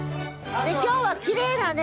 今日はきれいなね